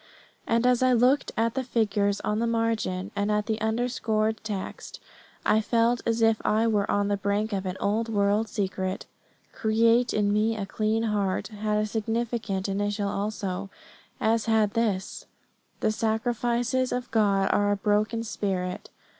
And as I looked at the figures on the margin, and at the underscored text, I felt as if I were on the brink of an old world secret. "Create in me a clean heart" had a significant initial also; as had this: "The sacrifices of God are a broken spirit."